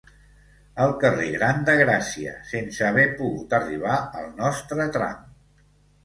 Al carrer Gran de Gràcia, sense haver pogut arribar al nostre tram.